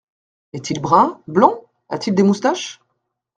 Est-il brun, blond ? a-t-il des moustaches ?